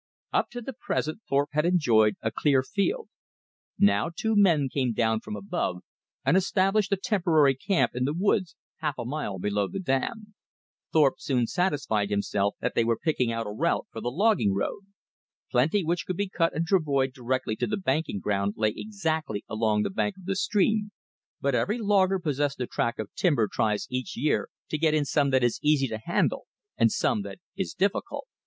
Up to the present Thorpe had enjoyed a clear field. Now two men came down from above and established a temporary camp in the woods half a mile below the dam. Thorpe soon satisfied himself that they were picking out a route for the logging road. Plenty which could be cut and travoyed directly to the banking ground lay exactly along the bank of the stream; but every logger possessed of a tract of timber tries each year to get in some that is easy to handle and some that is difficult.